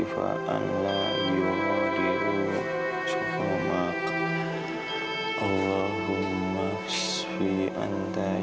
bangun dong amira